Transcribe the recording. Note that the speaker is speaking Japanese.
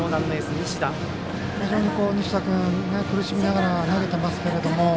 西田君、苦しみながら投げていますけれども。